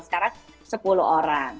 sekarang sepuluh orang